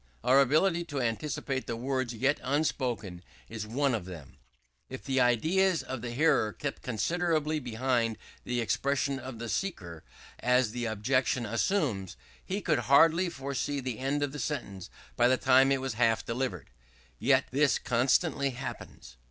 Our ability to anticipate the words yet unspoken is one of them If the ideas of the hearer kept considerably behind the, expressions of the speaker, as the objection assumes, he could hardly foresee the end of a sentence by the time it was half delivered: yet this constantly happens.